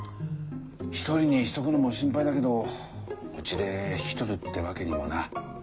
一人にしとくのも心配だけどうちで引き取るってわけにもな。